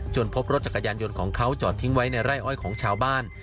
พบรถจักรยานยนต์ของเขาจอดทิ้งไว้ในไร่อ้อยของชาวบ้าน